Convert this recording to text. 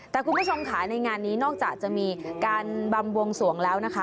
แต่คุณผู้ชมค่ะในงานนี้นอกจากจะมีการบำบวงสวงแล้วนะคะ